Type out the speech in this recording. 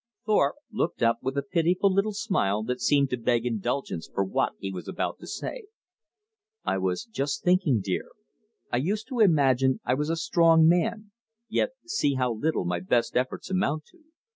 Thorpe looked up with a pitiful little smile that seemed to beg indulgence for what he was about to say. "I was just thinking, dear. I used to imagine I was a strong man, yet see how little my best efforts amount to.